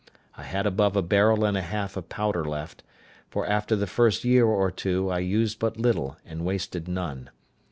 I had above a barrel and a half of powder left; for after the first year or two I used but little, and wasted none.